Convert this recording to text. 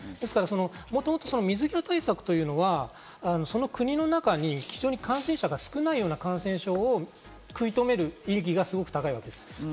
もともと水際対策というのはその国の中に非常に感染者が少ないような感染症を食い止める意味が高いわけです。